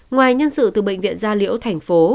ngoài nhân sự từ bệnh viện gia liễu thành phố